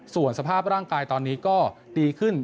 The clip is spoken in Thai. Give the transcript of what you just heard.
ส่วนสภาพร่างกายตอนนี้ก็ดีขึ้น